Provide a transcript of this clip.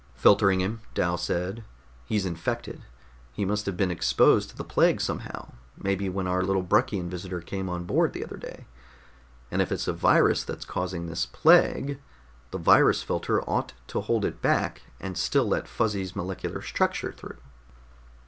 "Filtering him," Dal said. "He's infected. He must have been exposed to the plague somehow, maybe when our little Bruckian visitor came on board the other day. And if it's a virus that's causing this plague, the virus filter ought to hold it back and still let Fuzzy's molecular structure through."